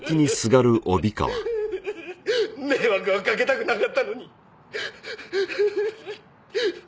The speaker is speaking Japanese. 迷惑はかけたくなかったのに！